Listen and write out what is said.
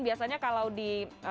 biasanya kalau di